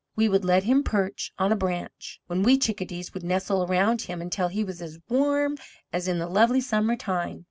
We would let him perch on a branch, when we Chickadees would nestle around him until he was as warm as in the lovely summer tine.